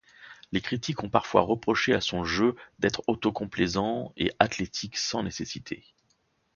Les critiques ont parfois reproché à son jeu d'être auto-complaisant et athlétique sans nécessité.